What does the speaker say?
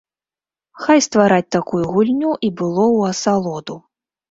Хай ствараць такую гульню і было ў асалоду.